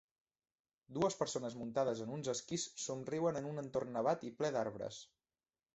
Dues persones muntades en uns esquís somriuen en un entorn nevat i ple d'arbres.